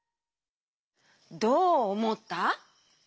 どうおもった？